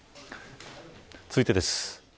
続いてです。